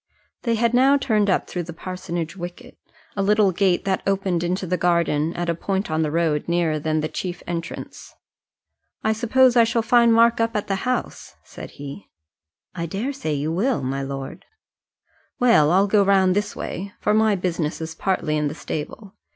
They had now turned up through the parsonage wicket, a little gate that opened into the garden at a point on the road nearer than the chief entrance. "I suppose I shall find Mark up at the house?" said he. "I daresay you will, my lord." "Well, I'll go round this way, for my business is partly in the stable.